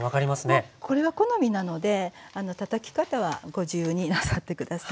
もうこれは好みなのでたたき方はご自由になさって下さい。